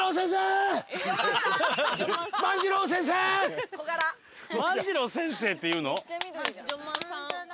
万次郎先生っていうの？